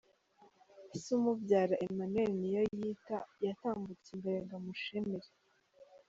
Se umubyara Emmanuel Niyoyita yatambutse imbere ngo amushimire.